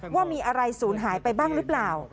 ว่ามีอะไรศูนย์หายไปบ้างหรือเปล่า